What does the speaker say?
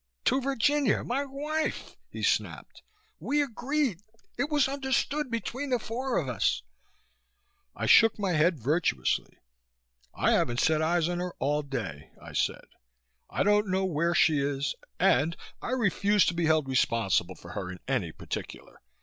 "To Virginia, my wife!" he snapped. "We agreed it was understood between the four of us " I shook my head virtuously. "I haven't set eyes on her all day," I said. "I don't know where she is and I refuse to be held responsible for her in any particular.